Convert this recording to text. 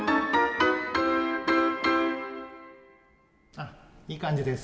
あいい感じです。